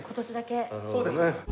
そうです。